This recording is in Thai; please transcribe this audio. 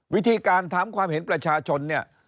วิธีการถามความเห็นประชาชนเนี่ย